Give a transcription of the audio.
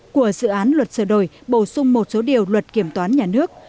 của dự án luật sửa đổi bổ sung một số điều luật kiểm toán nhà nước